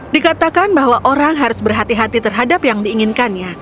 dikatakan bahwa orang harus berhati hati terhadap yang diinginkannya